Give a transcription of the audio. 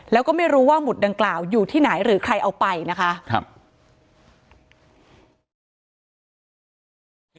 แล้วก็ไม่รู้ว่าหุดดังกล่าวอยู่ที่ไหนหรือใครเอาไปนะคะ